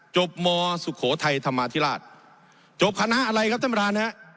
มสุโขทัยธรรมาธิราชจบคณะอะไรครับท่านประธานฮะ